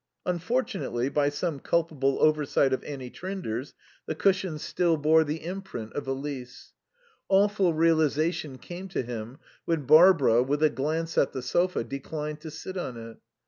Unfortunately, by some culpable oversight of Annie Trinder's, the cushions still bore the imprint of Elise. Awful realization came to him when Barbara, with a glance at the sofa, declined to sit on it.